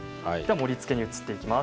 盛りつけに移っていきます。